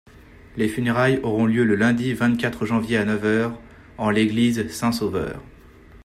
Les funérailles auront lieu le Lundi vingt-quatre Janvier, à neuf heures, en l'église Saint-Sauveur.